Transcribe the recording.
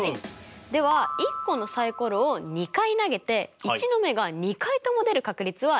では１個のサイコロを２回投げて１の目が２回とも出る確率はいくつになると思いますか？